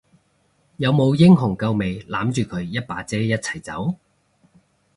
有冇英雄救美攬住佢一把遮一齊走？